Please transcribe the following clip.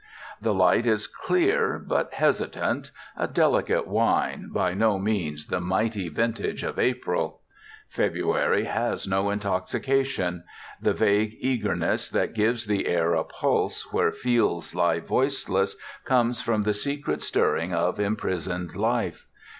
The light is clear but hesitant, a delicate wine, by no means the mighty vintage of April. February has no intoxication; the vague eagerness that gives the air a pulse where fields lie voiceless comes from the secret stirring of imprisoned life.